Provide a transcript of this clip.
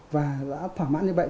và đã thỏa mãn như vậy